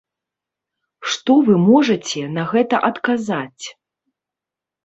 Што вы можаце на гэта адказаць?